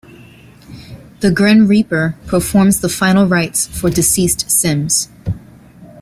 The Grim Reaper performs the final rites for deceased Sims.